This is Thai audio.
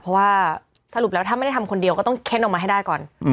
เพราะว่าสรุปแล้วถ้าไม่ได้ทำคนเดียวก็ต้องเค้นออกมาให้ได้ก่อน